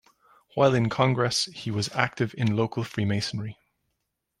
While in Congress, he was active in local Freemasonry.